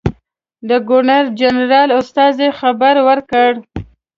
د ګورنرجنرال استازي خبر ورکړ.